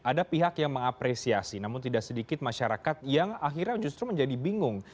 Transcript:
ada pihak yang mengapresiasi namun tidak sedikit masyarakat yang akhirnya justru menjadi bingung